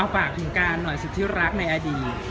ฝากถึงการหน่อยสิทธิรักในอดีต